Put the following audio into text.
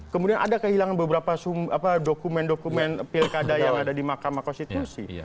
kemudian ada kehilangan beberapa dokumen dokumen pilkada yang ada di mahkamah konstitusi